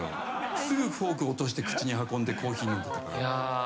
すぐフォーク落として口に運んでコーヒー飲んで。